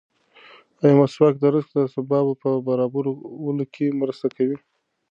ایا مسواک د رزق د اسبابو په برابرولو کې مرسته کوي؟